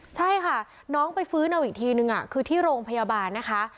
ใช่ค่ะน้องไปฟื้นเอาอีกทีนึงคือที่โรงพยาบาลนะคะ